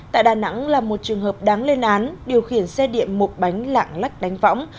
tại đà nẵng là một trường hợp đáng lên án điều khiển xe điện một bánh lạng lách đánh võng